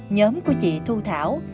nhóm của chị thu thảo